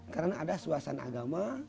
karena ada suasana agama